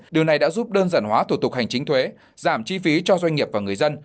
điều này đã giúp đơn giản hóa thủ tục hành chính thuế giảm chi phí cho doanh nghiệp và người dân